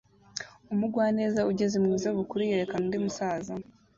Umugwaneza ugeze mu za bukuru yerekana undi musaza